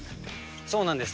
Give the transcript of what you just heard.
そうなんです。